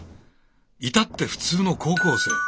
至ってフツーの高校生。